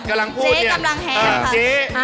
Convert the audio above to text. เจ๊คำลังแฮมค่ะ